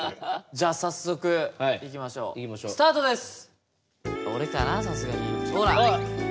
じゃあ早速いきましょうスタートです。